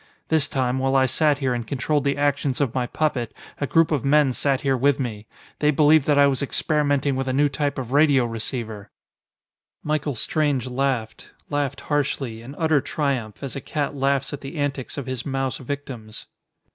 This time, while I sat here and controlled the actions of my puppet, a group of men sat here with me. They believed that I was experimenting with a new type of radio receiver!" Michael Strange laughed, laughed harshly, in utter triumph, as a cat laughs at the antics of his mouse victims.